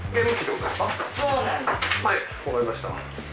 はいわかりました。